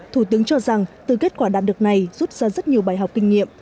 thủ tướng cho rằng từ kết quả đạt được này rút ra rất nhiều bài học kinh nghiệm